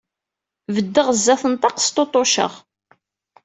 Beddeɣ sdat n ṭṭaq Sṭuṭuceɣ.